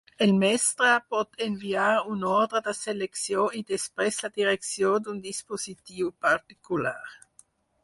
El mestre pot enviar una ordre de selecció i, després, la direcció d'un dispositiu particular.